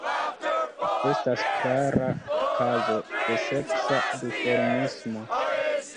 Estas klara kazo de seksa duformismo.